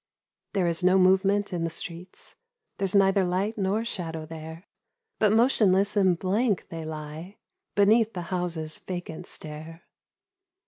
There is no movement in the streets There's neither light nor shadow there, But motionless and blank they lie Beneath the houses' vacant stare. 94 Kultur.